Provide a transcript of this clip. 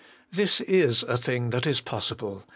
This is a thing that is possible.